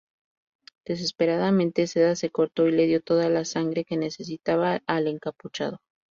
Desesperadamente, Seda se cortó y le dio toda la sangre que necesitaba al encapuchado.